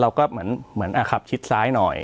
เราก็เหมือนขับชิดซ้ายหน่อย